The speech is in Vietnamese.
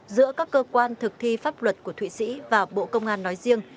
giữa các cơ quan thực thi pháp luật của thụy sĩ và bộ công an nói riêng